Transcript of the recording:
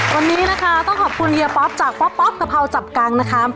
วันนี้นะคะต้องขอบคุณเฮียป๊อปจากป๊อปกะเพราจับกังนะคะ